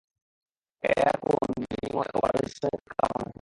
এর কোন বিনিময় ও পারিশ্রমিক কামনা করেন না।